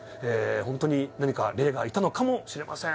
ホントに何か霊がいたのかもしれません」